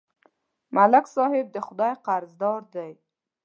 ملک صاحب د خدای قرضدار دی.